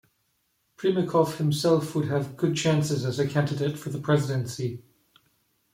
Primakov himself would have had good chances as a candidate for the presidency.